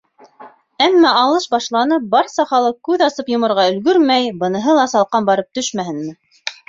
Әммә алыш башланып, барса халыҡ күҙ асып-йоморға өлгөрмәй, быныһы ла салҡан барып төшмәһенме!